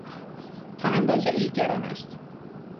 تا اندازهای گران است.